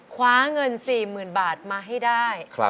คว้าเงิน๔๐๐๐บาทมาให้ได้